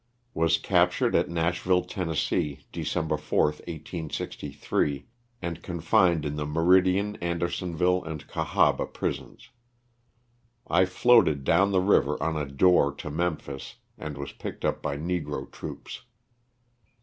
Was captured at Nashville, Tenn., Dec. 4, 1863, and confined in the Meridian, Andersonville and Cahaba prisons. I floated down the river on a door to Memphis and was picked up by negro troops.